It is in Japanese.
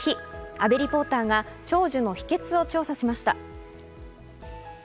阿部リポーターが長寿の秘訣を調査しました。